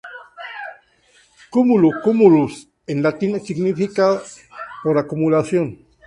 Cúmulo, "cumulus" en latín, significa ‘por acumulación’.